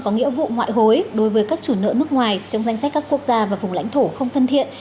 có nghĩa vụ ngoại hối đối với các chủ nợ nước ngoài trong danh sách các quốc gia và vùng lãnh thổ không thân thiện